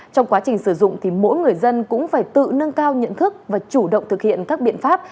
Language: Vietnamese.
trong quá trình sử dụng thì mỗi người dân cũng phải tự nâng cao nhận thức và chủ động thực hiện các biện pháp